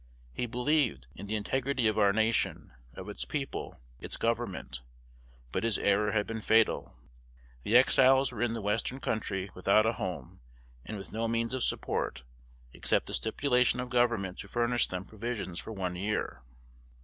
He believed in the integrity of our nation, of its people, its government; but his error had been fatal. The Exiles were in the Western Country, without a home, and with no means of support, except the stipulation of Government to furnish them provisions for one year.